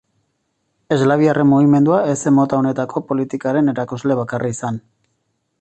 Eslaviarren mugimendua ez zen mota honetako politikaren erakusle bakarra izan.